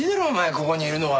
ここにいるのは。